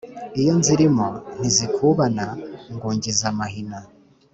iyo nzilimo ntizikubana ngungiza amahina.